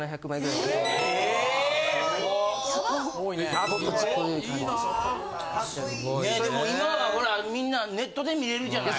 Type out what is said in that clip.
・・いいな・でも今はほらみんなネットで観れるじゃない。